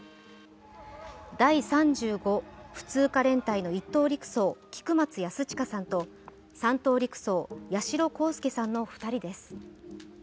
第３５普通科連隊の１等陸曹・菊松安親さんと３等陸曹・八代航佑さんの２人です。